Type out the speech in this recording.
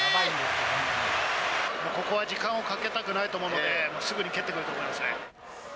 ここは時間をかけたくないと思うので、すぐに蹴ってくると思いますね。